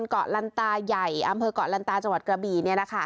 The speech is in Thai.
เกาะลันตาใหญ่อำเภอกเกาะลันตาจังหวัดกระบี